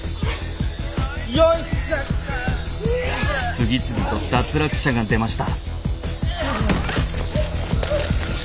次々と脱落者が出ました。